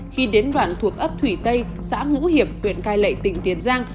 khi đến đoạn thuộc ấp thủy tây xã ngũ hiệp huyện cai lệ tỉnh tiền giang